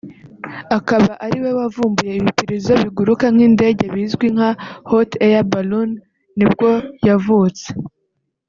akaba ariwe wavumbuye ibipirizo biguruka nk’indege bizwi nka hot air balloon nibwo yavutse